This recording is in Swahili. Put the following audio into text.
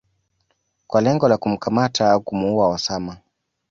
kwa lengo la kumkamata au kumuua Osama